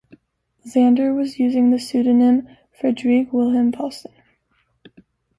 Zander was using the pseudonym "Friedrich Wilhelm Paustin".